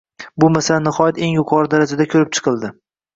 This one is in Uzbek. Bu masala nihoyat eng yuqori darajada ko'rib chiqildi